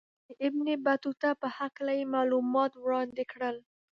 د ابن بطوطه په هکله یې معلومات وړاندې کړل.